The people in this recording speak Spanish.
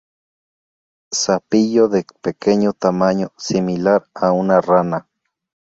Sapillo de pequeño tamaño, similar a una rana.